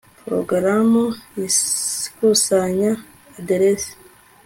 porogaramu ikusanya aderesi